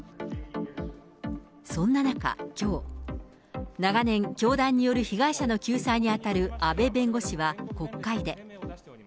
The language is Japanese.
そんな中、きょう、長年、教団による被害者の救済に当たる阿部弁護士は国会で。